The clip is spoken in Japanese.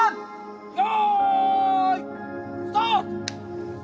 よいスタート！